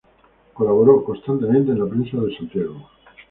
Colaboró constantemente en la prensa de Santiago.